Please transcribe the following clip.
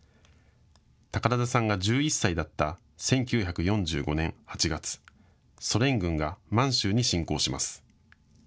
宝田さんが１１歳だった１９４５年８月、ソ連軍が満州に侵攻します。